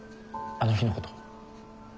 あの日のこと。